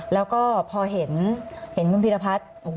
แล้วก็พอเห็นคุณพีรพัฒน์